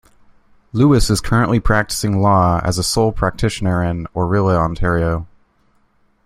Lewis is currently practicing law as a sole practitioner in Orillia, Ontario.